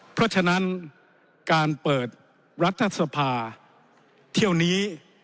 เพราะฉะนั้นการเปิดรัฐสภาเที่ยวนี้